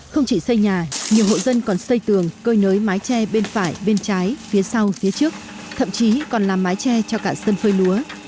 không chỉ xây nhà nhiều hộ dân còn xây tường cơi nới mái tre bên phải bên trái phía sau phía trước thậm chí còn làm mái tre cho cả sân phơi lúa